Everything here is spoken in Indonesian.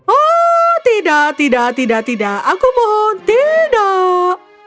oh tidak tidak tidak aku mohon tidak